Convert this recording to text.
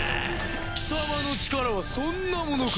貴様の力はそんなものか？